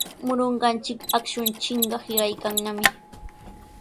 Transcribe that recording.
Murunqachik akshunchikqa hiqaykannami.